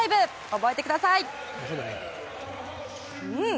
覚えてください。